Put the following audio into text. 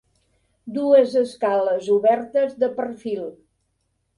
Dues escales obertes de perfil.